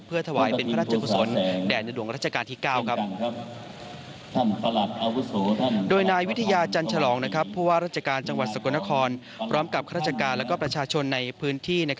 เพราะว่ารัชการจังหวัดสกลนครพร้อมกับรัชกาลและประชาชนในพื้นที่